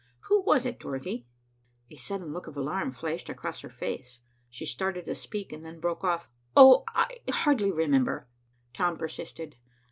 Who was it, Dorothy?" A sudden look of alarm flashed across her face. She started to speak and then broke off. "Oh! I hardly remember." Tom persisted.